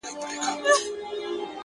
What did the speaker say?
ژوند پکي اور دی؛ آتشستان دی؛